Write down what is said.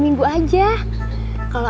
orang dalam ada kecacat